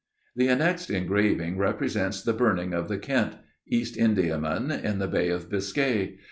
The annexed engraving represents the burning of the Kent, East Indiaman, in the Bay of Biscay.